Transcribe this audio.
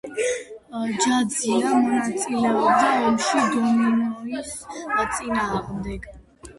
ჯაძია მონაწილეობდა ომში დომინიონის წინააღმდეგ.